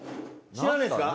知らないですか？